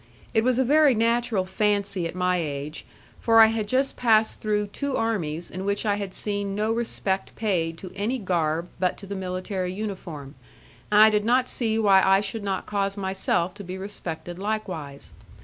It was a very natural fancy at my age, for I had just passed through two armies in which I had seen no respect paid to any garb but to the military uniform, and I did not see why I should not cause myself to be respected likewise.